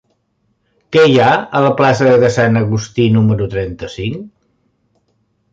Què hi ha a la plaça de Sant Agustí número trenta-cinc?